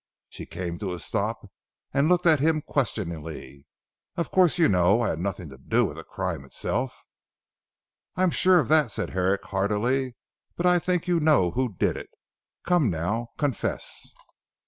She came to a stop and looked at him questioningly. "Of course you know I had nothing to do with the crime itself?" "I am sure of that," said Herrick heartily. "But I think you know who did it. Come now, confess!"